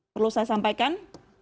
perlu saya sampaikan